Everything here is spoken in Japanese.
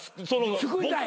救いたい？